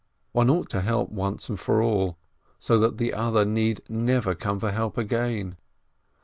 One ought to help once for all, so that the other need never come for help again.